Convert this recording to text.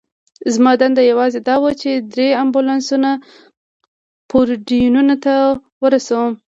زما دنده یوازې دا وه، چې درې امبولانسونه پورډینون ته ورسوم.